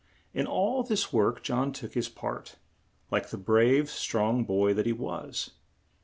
In all this work John took his part, like the brave, strong boy that he was.